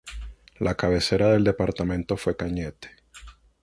La cabecera del departamento fue Cañete.